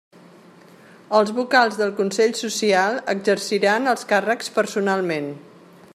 Els vocals del Consell Social exerciran els càrrecs personalment.